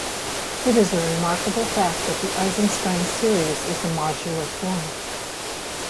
It is a remarkable fact that the Eisenstein series is a modular form.